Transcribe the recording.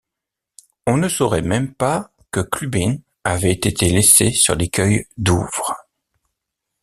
On ne saurait même pas que Clubin avait été laissé sur l’écueil Douvres.